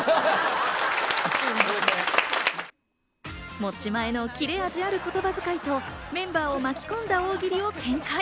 持ち前の切れ味ある言葉遣いとメンバーを巻き込んだ大喜利を展開。